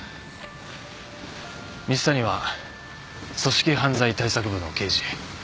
蜜谷は組織犯罪対策部の刑事。